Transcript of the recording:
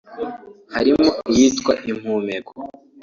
harimo iyitwa Impumeko